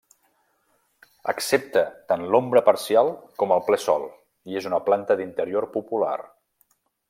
Accepta tant l'ombra parcial com el ple sol i és una planta d'interior popular.